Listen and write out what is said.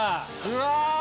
うわ！